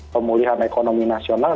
pemulihan ekonomi nasional